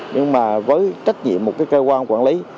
nhưng mà với trách nhiệm một cái cơ quan quản lý